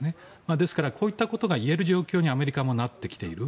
ですから、こういったことが言える状況にアメリカもなってきている。